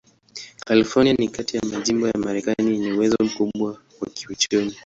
California ni kati ya majimbo ya Marekani yenye uwezo mkubwa wa kiuchumi.